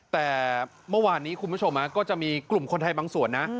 แต่เมื่อวานนี้คุณผู้ชมก็จะมีกลุ่มคนไทยบางส่วนนะ